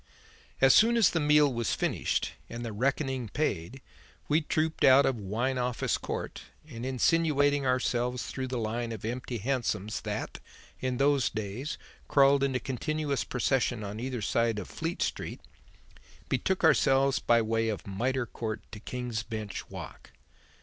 As soon as the meal was finished and the reckoning paid, we trooped out of Wine Office Court, and, insinuating ourselves through the line of empty hansoms that, in those days, crawled in a continuous procession on either side of Fleet Street, betook ourselves by way of Mitre Court to King's Bench Walk.